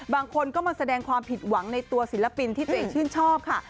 บางคนก็มาแสดงความผิดหวังในตัวศิลปินที่ตัวเองชื่นชอบค่ะ